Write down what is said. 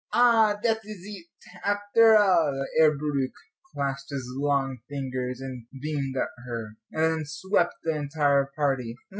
"Ah, dat is eet, after all." Herr Bauricke clasped his long fingers and beamed at her, and then swept the entire party.